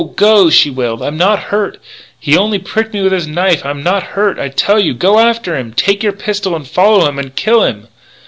go!" she wailed, "I'm not hurt. He only pricked me with his knife. I'm not hurt, I tell you. Go after him! Take your pistol and follow him and kill him!"